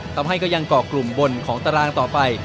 ก็ยังเกาะกลุ่มบนของตารางต่อไป